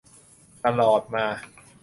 ตลอดมา